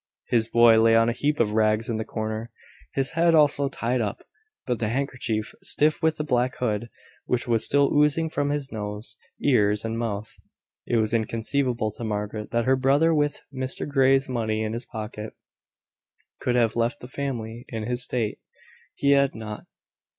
His boy lay on a heap of rags in the corner, his head also tied up, but the handkerchief stiff with the black blood which was still oozing from his nose, ears, and mouth. It was inconceivable to Margaret that her brother, with Mr Grey's money in his pocket, could have left the family in this state. He had not.